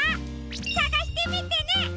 さがしてみてね！